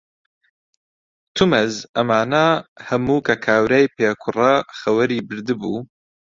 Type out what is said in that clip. تومەز ئەمانە هەموو کە کاورای پێکوڕە خەوەری بردبوو،